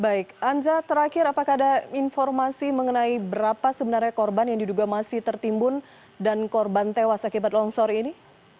baik anza terakhir apakah ada informasi mengenai berapa sebenarnya korban yang diduga masih tertimbun dan korban tewas akibat longsor ini